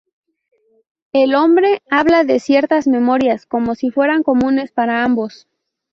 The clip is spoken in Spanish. El hombre habla de ciertas memorias como si fueran comunes para ambos.